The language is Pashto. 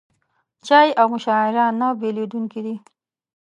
چای او مشاعره نه بېلېدونکي دي.